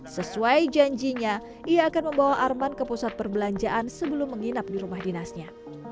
sesuai janjinya ia akan membawa arman ke pusat perbelanjaan sebelum menginap di rumah dinasnya